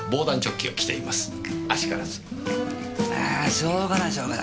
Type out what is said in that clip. しょうがないしょうがない。